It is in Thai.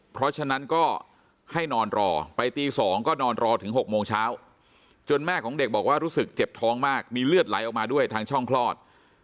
เพราะฉะนั้นก็ให้นอนรอไปตี๒ก็นอนรอถึง๖โมงเช้าจนแม่ของเด็กบอกว่ารู้สึกเจ็บท้องมากมีเลือดไหลออกมาด้วยทางช่องคลอด